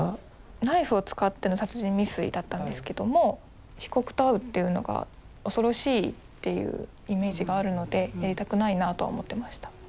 ナイフを使っての殺人未遂だったんですけども被告と会うっていうのが恐ろしいっていうイメージがあるのでやりたくないなとは思ってました。